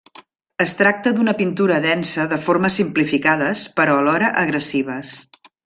Es tracta d’una pintura densa de formes simplificades però alhora agressives.